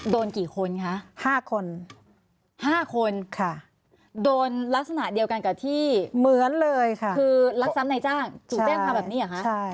โดนกี่คนคะ๕คน๕คนโดนลักษณะเดียวกันกับที่เหมือนเลยค่ะคือรักทรัพย์ในจ้างถูกแจ้งความแบบนี้เหรอคะ